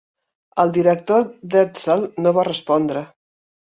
El director d'Edsel no va respondre.